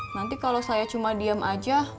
nanti kalau saya cuma diem aja